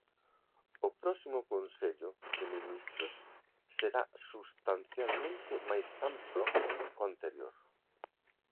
O próximo consello de ministros será substancialmente máis amplo có anterior.